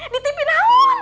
di tv apa